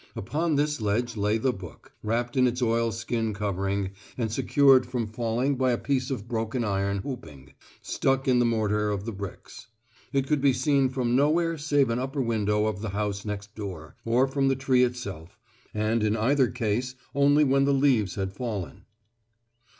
Upon this ledge lay the book, wrapped in its oil skin covering and secured from falling by a piece of broken iron hooping, stuck in the mortar of the bricks. It could be seen from nowhere save an upper window of the house next door, or from the tree itself, and in either case only when the leaves had fallen.